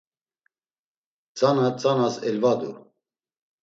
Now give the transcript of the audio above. Tzana tzanas elvadu.